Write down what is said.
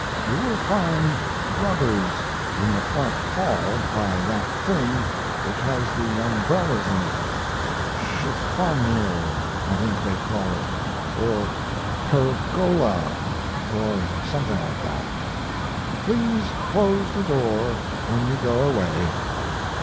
You will find rubbers in the front hall by that thing which has the umbrellas in it, chiffonnier, I think they call it, or pergola, or something like that. Please close the door when you go away!